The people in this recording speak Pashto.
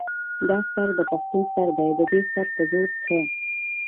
دا سر د پښتون سر دے ددې سر پۀ وزر څۀ